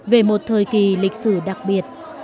về một thời kỳ lịch sử đầy dài